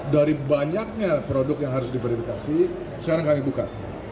dari banyaknya produk yang harus diverifikasi sekarang kami buka